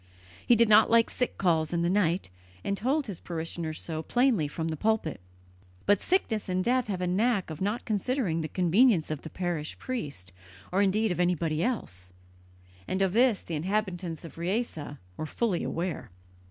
He did not like sick calls in the night, and told his parishioners so plainly from the pulpit. But sickness and death have a knack of not considering the convenience of the parish priest, or indeed of anybody else; and of this the inhabitants of Riese were fully aware.